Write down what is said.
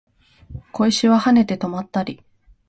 小石は跳ねて止まったり